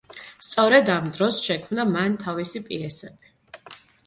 სწორედ ამ დროს შექმნა მან თავისი პიესები.